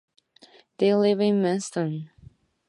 They live in Menston.